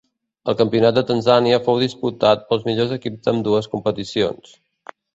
El campionat de Tanzània fou disputat pels millors equips d'ambdues competicions.